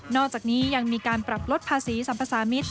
อกจากนี้ยังมีการปรับลดภาษีสัมภาษามิตร